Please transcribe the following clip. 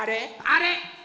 あれ！